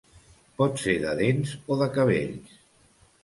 Pot ser de dents o de cabells.